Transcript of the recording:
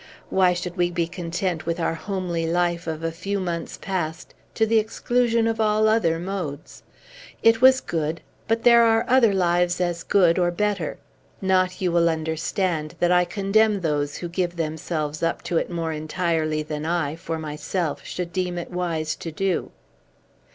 Why should we be content with our homely life of a few months past, to the exclusion of all other modes? It was good; but there are other lives as good, or better. Not, you will understand, that I condemn those who give themselves up to it more entirely than I, for myself, should deem it wise to do."